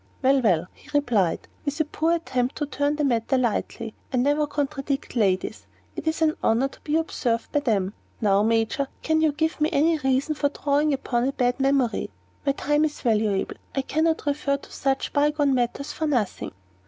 "Well, well," he replied, with a poor attempt to turn the matter lightly; "I never contradict ladies; it is an honor to be so observed by them. Now, Major, can you give me any good reason for drawing upon a bad memory? My time is valuable. I can not refer to such by gone matters for nothing."